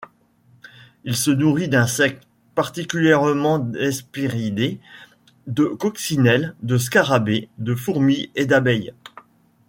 Il se nourrit d'insectes, particulièrement d'hespéridés, de coccinelles, de scarabés, de fourmis et d'abeilles.